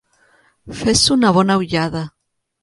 Fes una bona ullada.